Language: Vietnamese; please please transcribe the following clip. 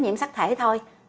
nhiễm sắc thể thôi